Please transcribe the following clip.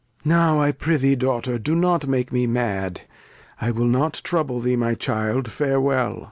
Now, I prithee Daughter, do not make me mad ; I will not trouble thee, my Child, farewell.